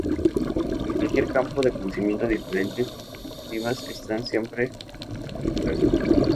En cualquier campo de conocimiento diferentes perspectivas están siempre en juego.